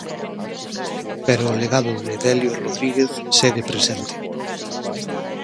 Pero o legado de Delio Rodríguez segue presente.